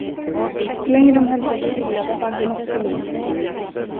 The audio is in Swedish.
Så länge de höll sig stilla var baggen också lugn.